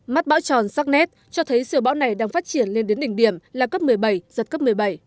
mắt bão tròn sắc nét cho thấy siêu bão này đang phát triển lên đến đỉnh điểm là cấp một mươi bảy giật cấp một mươi bảy